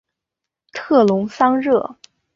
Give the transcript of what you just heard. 特龙桑热。